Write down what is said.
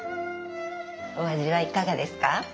お味はいかがですか？